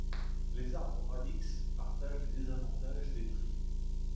Les arbres radix partagent les désavantages des tris.